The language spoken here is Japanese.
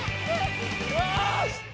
よし！